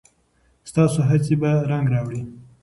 ستاسو هڅې به رنګ راوړي.